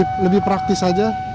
ya lebih praktis saja